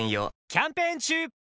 キャンペーン中！